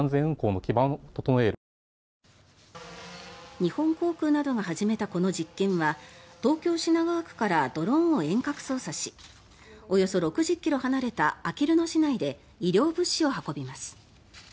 日本航空などが始めたこの実験は東京・品川区からドローンを遠隔操作しおよそ６０ｋｍ離れたあきる野市内で医療物資を運びます。